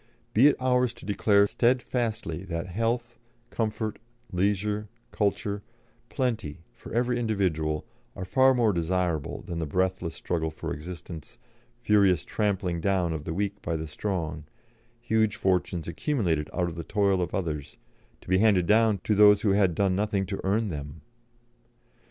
Be it ours to declare steadfastly that health, comfort, leisure, culture, plenty for every individual are far more desirable than breathless struggle for existence, furious trampling down of the weak by the strong, huge fortunes accumulated out of the toil of others, to be handed down to those who had done nothing to earn them.